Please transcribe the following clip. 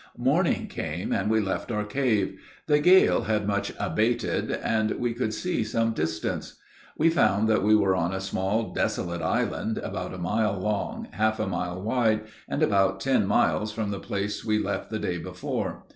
Morning came, and we left our cave. The gale had much abated, and we could see some distance. We found that we were on a small desolate island, about a mile long, half a mile wide, and about ten miles from the place we left the day before.